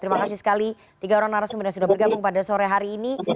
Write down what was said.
terima kasih sekali tiga orang narasumber yang sudah bergabung pada sore hari ini